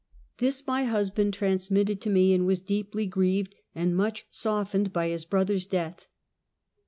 This my husband transmitted to me, and was deep ly grieved and much softened by his brother's death.